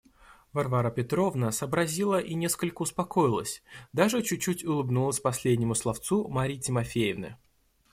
Варвара Петровна сообразила и несколько успокоилась; даже чуть-чуть улыбнулась последнему словцу Марьи Тимофеевны.